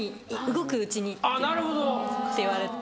動くうちにって言われて。